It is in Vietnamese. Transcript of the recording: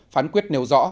phán quyết nêu rõ